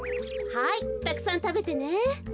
はいたくさんたべてね。